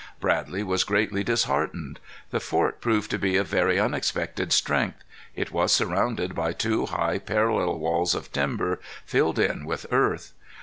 Bradley was greatly disheartened. The fort proved to be of very unexpected strength. It was surrounded by two high parallel walls of timber, filled in with earth.